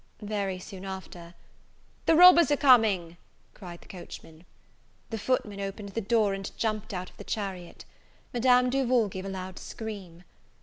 Very soon after, "The robbers are coming!" cried the coachman. The footman opened the door, and jumped out of the chariot. Madame Duval gave a loud scream.